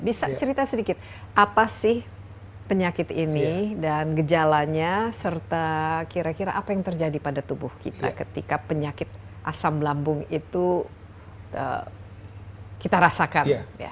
bisa cerita sedikit apa sih penyakit ini dan gejalanya serta kira kira apa yang terjadi pada tubuh kita ketika penyakit asam lambung itu kita rasakan